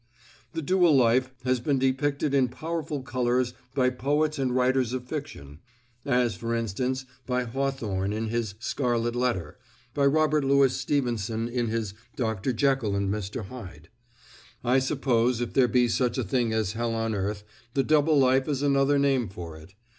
The dual life has been depicted in powerful colors by poets and writers of fiction; as, for instance, by Hawthorne in his "Scarlet Letter," by Robert Louis Stevenson in his "Doctor Jekyll and Mr. Hyde." I suppose if there be such a thing as hell on earth, the double life is another name for it.